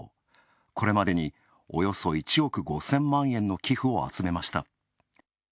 これまでにおよそ１億５０００万円の寄付を集めました。